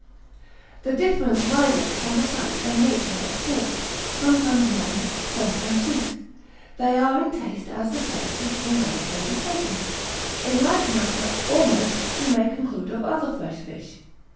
The difference riseth from the site and nature of pools, sometimes muddy, sometimes sweet; they are in taste as the place is from whence they be taken. In like manner almost we may conclude of other fresh fish.